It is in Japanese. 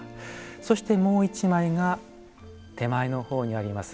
そしてもう一枚が手前の方にあります